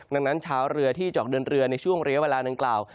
ดังนั้นชาวเรือที่จะออกเดินเรือในช่วงเรียวเวลาดังกล่าว